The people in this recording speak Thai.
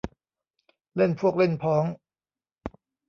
เล่นพวกเล่นพ้อง